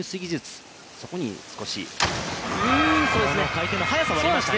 回転の速さありましたね。